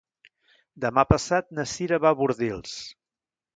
Demà passat na Cira va a Bordils.